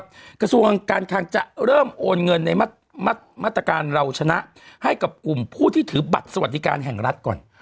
กระทรวงการคังจะเริ่มโอนเงินในมาตรการเราชนะให้กับกลุ่มผู้ที่ถือบัตรสวัสดิการแห่งรัฐก่อน